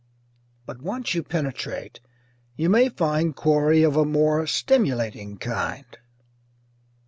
But once you penetrate, you may find quarry of a more stimulating kind.